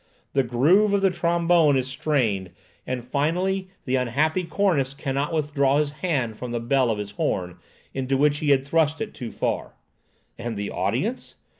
The groove of the trombone is strained, and finally the unhappy cornist cannot withdraw his hand from the bell of his horn, into which he had thrust it too far. And the audience!